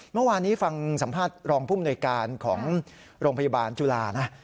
เมื่อวานนี้ฟังสัมภาษณ์รองภูมิหน่วยการของโรงพยาบาลจุฬานะ